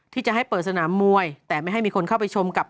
ที่จะให้เปิดสนามมวยแต่ไม่ให้มีคนเข้าไปชมกับ